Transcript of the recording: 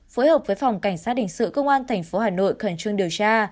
phối hợp với phòng cảnh sát hình sự công an tp hà nội khẩn trương điều tra